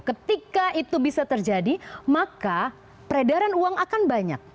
ketika itu bisa terjadi maka peredaran uang akan banyak